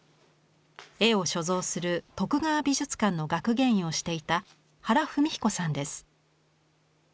絵を所蔵する徳川美術館の学芸員をしていた原史彦さんです。